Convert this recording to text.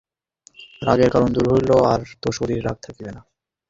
রাগের কারণ দূর হইল, আর তো শশীর রাগ থাকিবে না।